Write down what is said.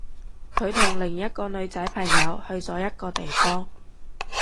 佢同另一個女仔朋友去咗一個地方